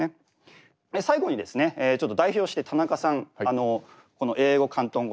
最後にですねちょっと代表して田中さんこの英語広東語